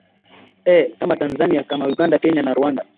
ee kama tanzania kama uganda kenya na rwanda